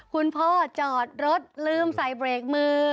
พ่อจอดรถลืมใส่เบรกมือ